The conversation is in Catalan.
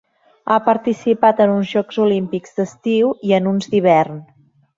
Ha participat en uns Jocs Olímpics d'estiu i en uns d'hivern.